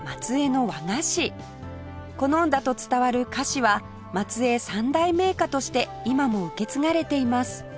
好んだと伝わる菓子は松江三大銘菓として今も受け継がれています